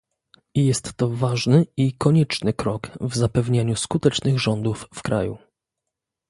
Jest to ważny i konieczny krok w zapewnianiu skutecznych rządów w kraju